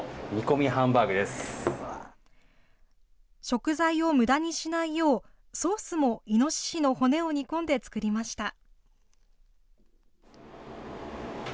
食材をむだにしないよう、ソースもイノシシの骨を煮込んで作りました。